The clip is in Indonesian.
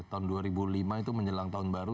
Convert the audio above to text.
tahun dua ribu lima itu menjelang tahun baru